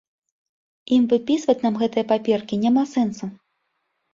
Ім выпісваць нам гэтыя паперкі няма сэнсу.